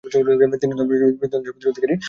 তিনি ধর্ম্প্রচার করে প্রচুর ধনসম্পত্তির অধিকারী হন।